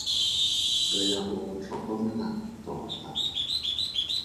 Re ya go go tlhokomela tota.